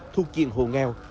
thu chiền hồ nghèo